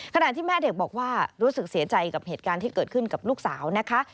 ขณะที่แม่เด็กบอกว่ารู้สึกเสียใจกับเหตุการณ์ที่เกิดขึ้นกับลูกสาวนะคะ